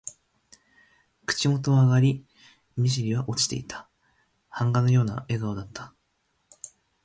口元は上がり、目じりは落ちていた。版画のような笑顔だった。